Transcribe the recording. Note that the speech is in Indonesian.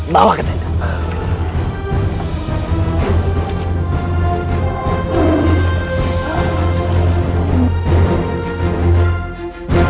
bawa ke tenter